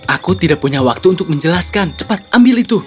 aku tidak punya waktu untuk menjelaskan cepat ambil itu